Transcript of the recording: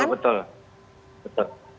ya betul betul